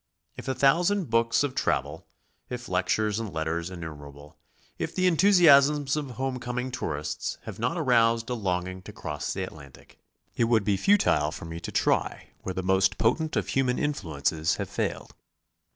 If a thousand books of travel, if lectures and letters innumerable, if the enthusiasms of home coming tourists have not aroused a longing to cross the Atlantic, it would be futile for me to try where the most potent of human influences have failed.